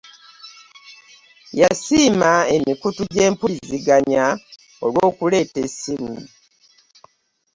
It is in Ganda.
Yasiima emikutu gy'empuliziganya olwokuleeta essimu.